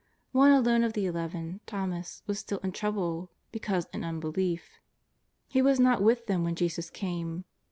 One alone of the Eleven, Thomas, was still in trouble because in unbelief. He was not with them when Jesus came.